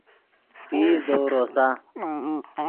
تیز دؤ روسا